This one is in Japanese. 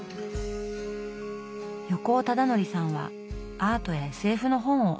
横尾忠則さんはアートやＳＦの本をおすすめ。